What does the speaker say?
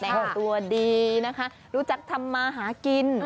ตัวดีนะคะรู้จักทำมาหากิน